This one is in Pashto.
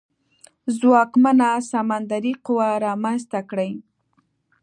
ځواکمنه سمندري قوه رامنځته کړي.